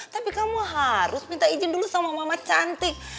tapi kamu harus minta izin dulu sama mama cantik